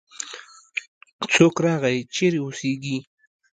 څوک راغی؟ چیرې اوسیږې؟